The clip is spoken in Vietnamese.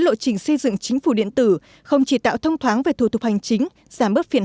lộ trình xây dựng chính phủ điện tử không chỉ tạo thông thoáng về thủ tục hành chính giảm bớt phiền